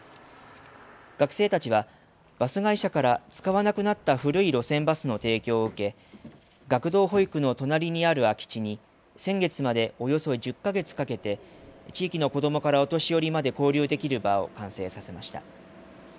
学生たちはバス会社から使わなくなった古い路線バスの提供を受け学童保育の隣にある空き地に先月までおよそ１０か月かけて地域の子どもからお年寄りまで交流できる場を完成させました。